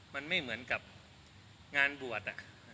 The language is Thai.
มันไม่เหมือนกับงานบวช